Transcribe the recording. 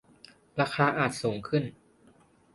ราคาอาจสูงขึ้น